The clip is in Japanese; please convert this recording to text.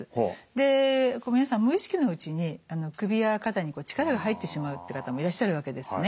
で皆さん無意識のうちに首や肩に力が入ってしまうって方もいらっしゃるわけですね。